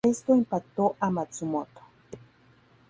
Esto impactó a Matsumoto.